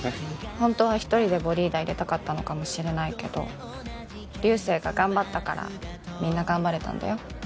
ほんとは１人でヴォリーダ入れたかったのかもしれないけど流星が頑張ったからみんな頑張れたんだよ。